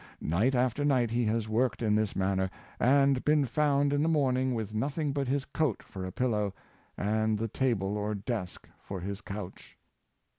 Night after night he has worked in this manner, and been found in the morning with nothing but his coat for a pillow, and the table or desk for his couch."